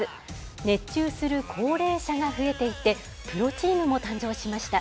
熱中する高齢者が増えていて、プロチームも誕生しました。